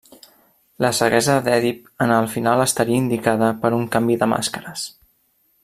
La ceguesa d'Èdip en el final estaria indicada per un canvi de màscares.